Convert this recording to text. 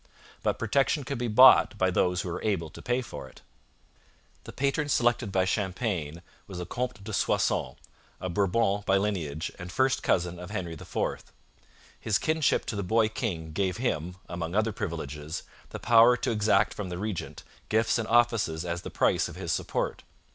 But protection could be bought by those who were able to pay for it. The patron selected by Champlain was the Comte de Soissons, a Bourbon by lineage and first cousin of Henry IV. His kinship to the boy king gave him, among other privileges, the power to exact from the regent gifts and offices as the price of his support.